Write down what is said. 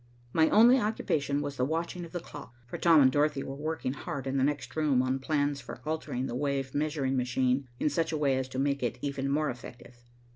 My only occupation was the watching of the clock, for Tom and Dorothy were working hard in the next room on plans for altering the wave measuring machine in such a way as to make it even more effective.